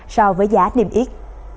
so với giá niềm yết